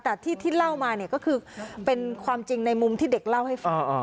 แต่ที่เล่ามาเนี่ยก็คือเป็นความจริงในมุมที่เด็กเล่าให้ฟัง